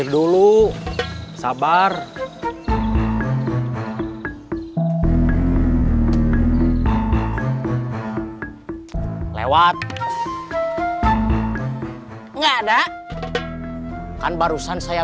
darman urusan saya